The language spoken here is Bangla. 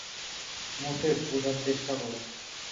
মোসেস, বোঝার চেষ্টা করো।